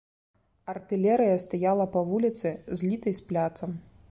Артылерыя стаяла па вуліцы, злітай з пляцам.